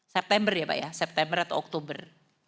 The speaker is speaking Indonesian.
september ya pak ya september atau oktober